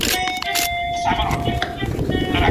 کله چي ته د هغې سره مخ سې، هغه پر لمانځه امر کړه.